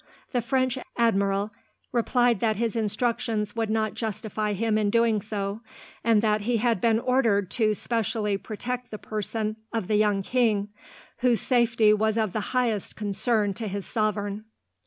The French admiral replied that his instructions would not justify him in doing so, and that he had been ordered to specially protect the person of the young king, whose safety was of the highest concern to his sovereign.